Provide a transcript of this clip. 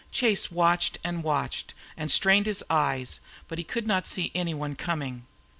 Chase watched and watched and strained his eyes, but he could not see any one coming.